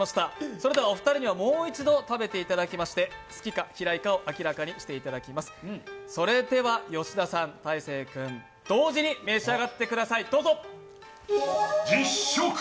それではお二人には、もう一度食べていただきまして、好きか嫌いかを明らかにしていただきます、吉田さん、大晴君、同時に召し上がってください。